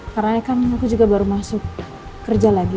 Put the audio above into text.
karena kan aku juga baru masuk kerja lagi